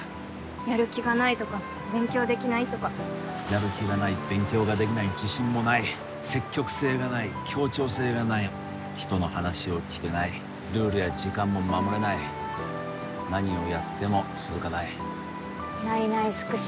やる気がないとか勉強できないとかやる気がない勉強ができない自信もない積極性がない協調性がない人の話を聞けないルールや時間も守れない何をやっても続かないないない尽くし